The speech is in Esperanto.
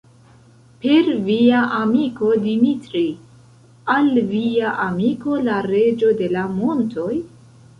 Per via amiko Dimitri, al via amiko la Reĝo de la montoj?